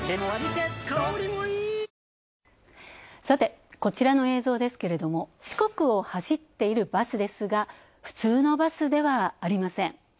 さて、こちらの映像ですけれども四国を走っているバスですが普通のバスではありません。